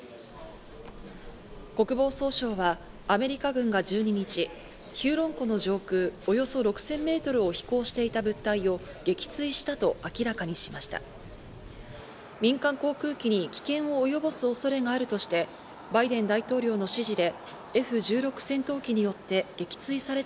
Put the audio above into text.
国防総省はアメリカ軍が１２日、ヒューロン湖の上空およそ６０００メートルを飛行していた物体を撃墜したと明らかにしました。